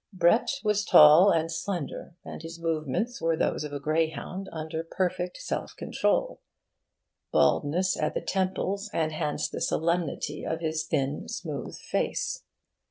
Brett was tall and slender, and his movements were those of a greyhound under perfect self control. Baldness at the temples enhanced the solemnity of his thin smooth face.